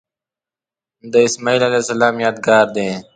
د اسمیل علیه السلام یادګار دی.